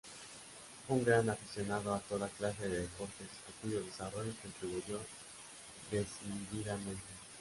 Fue un gran aficionado a toda clase de deportes, a cuyo desarrollo contribuyó decididamente.